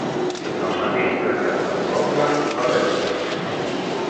El mateix traçat del poble ho fa veure.